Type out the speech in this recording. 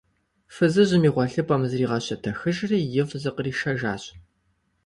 Фызыжьым и гъуэлъыпӀэм зригъэщэтэхыжри, ифӀ зыкъришэжащ.